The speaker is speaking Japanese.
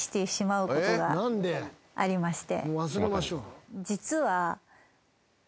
ありまして。